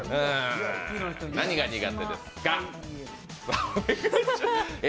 何が苦手ですか？